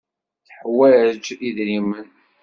Tuḥwaǧ idrimen.